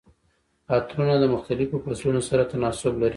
عطرونه د مختلفو فصلونو سره تناسب لري.